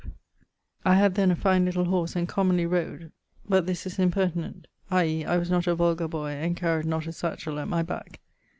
] I had then a fine little horse and commonly rode (but this is impertinent) i.e. I was not a vulgar boy and carried not a satchell at my back.